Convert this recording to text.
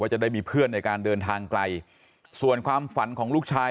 จะได้มีเพื่อนในการเดินทางไกลส่วนความฝันของลูกชาย